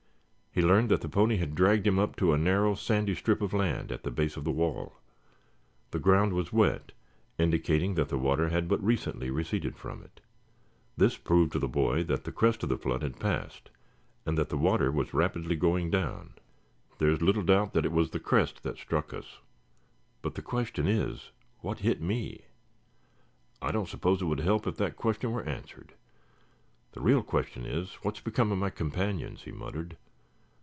He learned that the pony had dragged him up to a narrow, sandy strip of land at the base of the wall. The ground was wet, indicating that the water had but recently receded from it. This proved to the boy that the crest of the flood had passed and that the water was rapidly going down. "There's little doubt that it was the crest that struck us. But the question is, what hit me? I don't suppose it would help if that question were answered. The real question is, what has become of my companions?" he muttered.